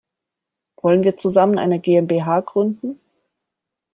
Wollen wir zusammen eine GmbH gründen?